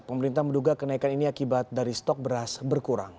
pemerintah menduga kenaikan ini akibat dari stok beras berkurang